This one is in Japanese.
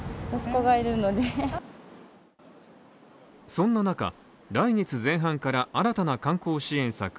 そんな中、来月前半から新たな観光支援策